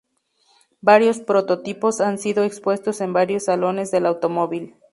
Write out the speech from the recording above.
Varios prototipos han sido expuestos en varios salones del automóvil.